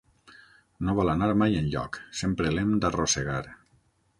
No vol anar mai enlloc, sempre l'hem d'arrossegar.